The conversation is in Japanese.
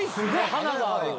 華がある。